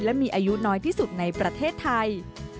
และมีอายุน้อยที่สุดในประเทศไทย